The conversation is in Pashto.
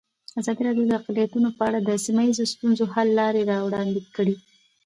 ازادي راډیو د اقلیتونه په اړه د سیمه ییزو ستونزو حل لارې راوړاندې کړې.